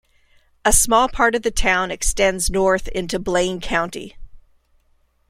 A small part of the town extends north into Blaine County.